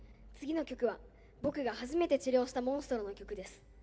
次の曲は僕が初めて治療したモンストロの曲です。